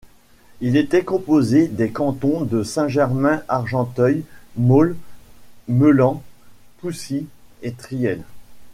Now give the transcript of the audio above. Il était composé des cantons de Saint Germain, Argenteuil, Maulle, Meulan, Poissy et Triel.